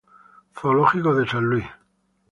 Zoológico de Saint Louis